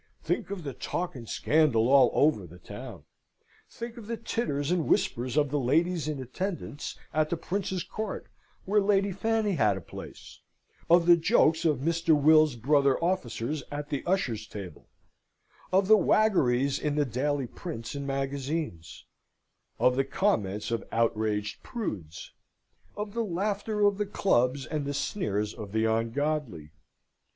Think of the talk and scandal all over the town! Think of the titters and whispers of the ladies in attendance at the Princess's court, where Lady Fanny had a place; of the jokes of Mr. Will's brother officers at the usher's table; of the waggeries in the daily prints and magazines; of the comments of outraged prudes; of the laughter of the clubs and the sneers of the ungodly!